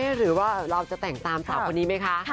หรือว่าเราจะแต่งตามสาวคนนี้ไหมคะ